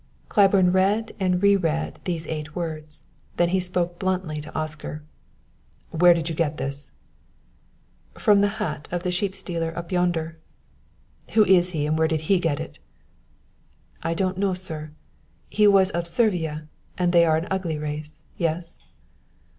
Claiborne read and re read these eight words; then he spoke bluntly to Oscar. "Where did you get this?" "From the hat of the sheep stealer up yonder." "Who is he and where did he get it?" "I don't know, sir. He was of Servia, and they are an ugly race yes?"